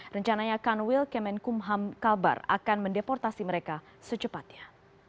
rencananya kanwil kemenkumham kalbar akan mendeportasi mereka secepatnya